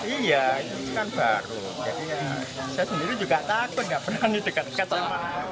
iya itu kan baru jadi saya sendiri juga takut nggak berani dekat dekat sama